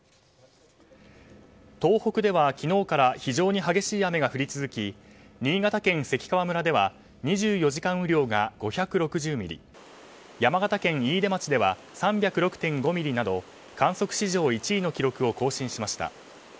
東北では昨日から非常に激しい雨が降り続き新潟県関川村では２４時間雨量が５６０ミリ山形県飯豊町では３０６．５ミリなど観測史上１位の記録を更新しました。